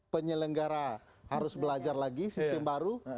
penyelenggara harus belajar lagi sistem baru